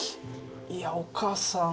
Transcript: いやお母さん。